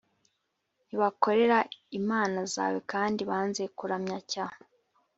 ntibakorera imana zawe kandi banze kuramya cya